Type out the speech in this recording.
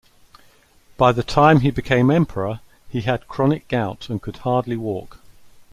By the time he became emperor, he had chronic gout and could hardly walk.